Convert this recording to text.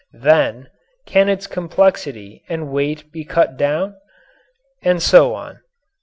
Then can its complexity and weight be cut down? And so on.